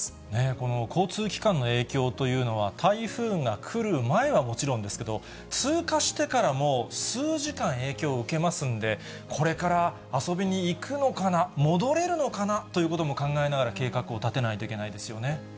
この交通機関の影響というのは台風が来る前はもちろんですけれども、通過してからも数時間影響を受けますんで、これから遊びに行くのかな、戻れるのかなということも考えながら計画を立てないといけないですよね。